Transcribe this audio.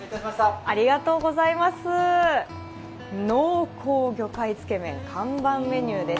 濃厚魚介つけ麺、看板メニューです。